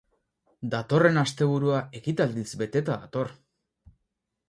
Datorren asteburua ekitaldiz beteta dator.